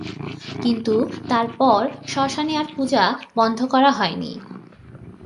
কিন্তু তারপর শ্মশানে আর পূজা বন্ধ করা হয়নি।